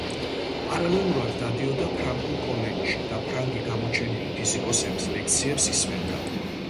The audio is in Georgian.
პარალელურად დადიოდა „ფრანგულ კოლეჯში“ და ფრანგი გამოჩენილი ფიზიკოსების ლექციებს ისმენდა.